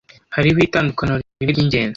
Hariho itandukaniro rimwe ryingenzi.